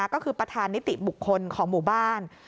ก็คือประธานนิติบุคคลของหมู่บ้าน